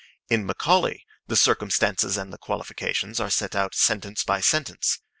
In Macaulay the circumstances and the qualifications are set out sentence by sentence.